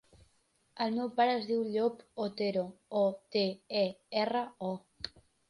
El meu pare es diu Llop Otero: o, te, e, erra, o.